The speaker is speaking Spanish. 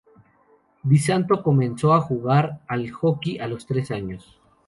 Di Santo comenzó a jugar al hockey a los tres años.